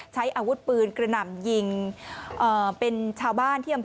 ใช้อาวุธปืนกระหน่ำยิงอ่าเป็นชาวบ้านที่